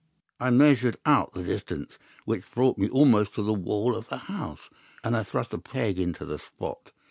I measured out the distance, which brought me almost to the wall of the house, and I thrust a peg into the spot.